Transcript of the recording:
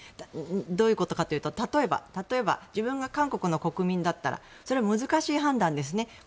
どういうことかというと例えば自分が韓国の国民だったらそれは難しい判断ですね。